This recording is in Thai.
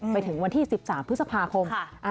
ไปถึงวันที่๑๓พฤษภาคม